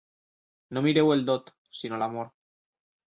No mireu el dot, sinó l'amor.